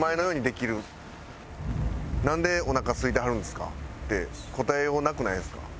「なんでおなかすいてはるんですか？」って答えようなくないですか？